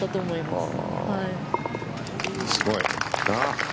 すごいな。